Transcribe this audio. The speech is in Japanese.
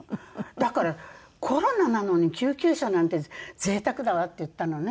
だから「コロナなのに救急車なんて贅沢だわ」って言ったのね。